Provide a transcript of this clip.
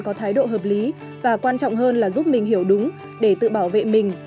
có thái độ hợp lý và quan trọng hơn là giúp mình hiểu đúng để tự bảo vệ mình